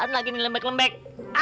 yah itu apaan lagi nih lembek lembek